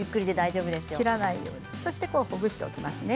そしてほぐしておきますね。